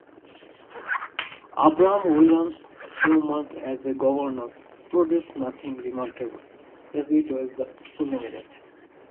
Abraham Williams few months as governor produced nothing remarkable, as it was so limited.